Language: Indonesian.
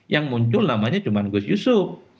yang muncul namanya cuma gus yusuf